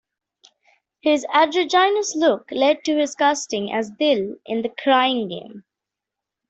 His androgynous look led to his casting as Dil in "The Crying Game".